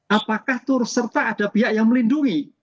apakah turut serta ada pihak yang melindungi